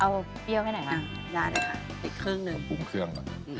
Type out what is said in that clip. เอาเปรี้ยวให้หน่อยมาอีกครึ่งหนึ่ง